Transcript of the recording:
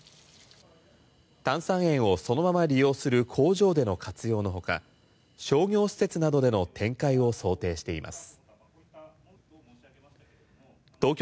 炭酸塩をそのまま利用する工場での活用のほか商業施設などでの展開を想定しています。